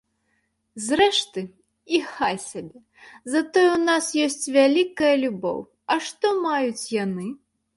Зрэшты, і хай сабе, затое ў нас ёсць вялікая любоў, а што маюць яны?